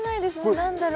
何だろう？